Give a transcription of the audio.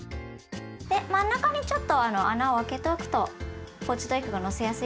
で真ん中にちょっと穴を開けておくとポーチドエッグをのせやすいかもしれないですね。